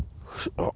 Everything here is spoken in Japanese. あっ。